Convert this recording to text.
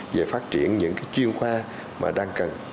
về phát triển những chuyên khoa mà đang cần